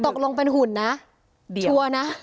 ตกลงเป็นหุ่นนะชัวร์นะ